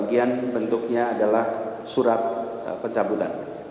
ini adalah surat pencabutan